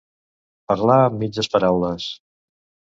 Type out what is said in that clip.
Parlar amb mitges paraules.